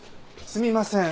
すみません。